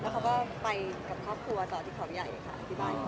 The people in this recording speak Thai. เขาก็ไปกับพรับกลัวตอนที่เขาบินใหญ่ค่ะ